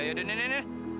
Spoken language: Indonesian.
ya udah nenek